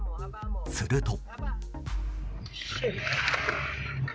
すると。